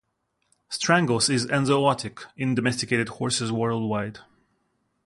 Strangles is enzootic in domesticated horses worldwide.